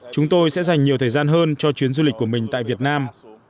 chúng tôi sẽ dành nhiều thời gian hơn cho chuyến du lịch của mình tại việt nam